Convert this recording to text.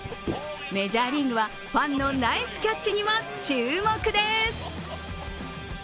メジャーリーグはファンのナイスキャッチにも注目です。